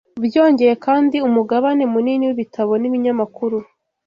Byongeye kandi, umugabane munini w’ibitabo n’ibinyamakuru